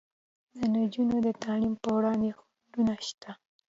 د نجونو د تعلیم پر وړاندې خنډونه شته.